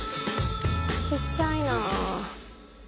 ちっちゃいなあ。